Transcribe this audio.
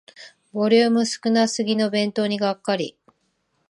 ボリューム少なすぎの弁当にがっかり